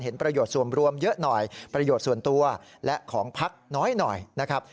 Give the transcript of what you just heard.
ประโยชน์ส่วนรวมเยอะหน่อยประโยชน์ส่วนตัวและของพักน้อยหน่อยนะครับ